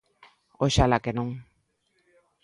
Oxalá que non!